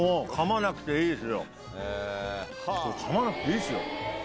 噛まなくていいですよ。